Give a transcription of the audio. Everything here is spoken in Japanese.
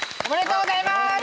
おめでとうございます！